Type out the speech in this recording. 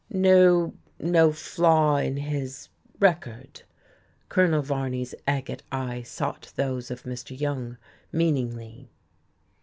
"No no flaw in his record?" Colonel Varney's agate eyes sought those of Mr. Young, meaningly.